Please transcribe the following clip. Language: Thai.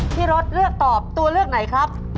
พี่รถเลือกตอบตัวเลือกไหนครับ